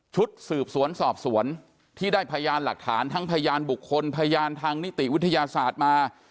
ชุดสืบสวนสอบสวนที่ได้พยานหลักฐานทั้งพยานบุคคลพยานทางนิติวิทยาศาสตร์มา